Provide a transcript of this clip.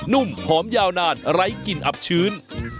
ุ่มหอมยาวนานไร้กลิ่นอับชื้น